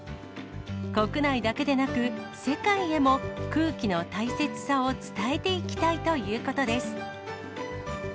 国内だけでなく、世界へも、空気の大切さを伝えていきたいということです。